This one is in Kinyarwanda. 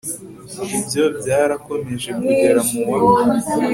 ibyo byarakomeje kugera mu wa